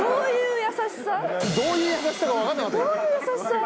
どういう優しさか分かんなかった。